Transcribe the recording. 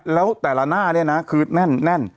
แล้วแต่ละหน้าเนี่ยนะคือแน่น